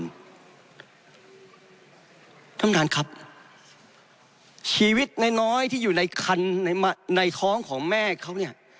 ท่านประธานครับชีวิตน้อยน้อยที่อยู่ในคันในท้องของแม่เขาเนี่ย